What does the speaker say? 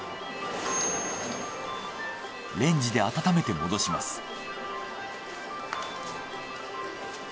レンジで温めて戻します。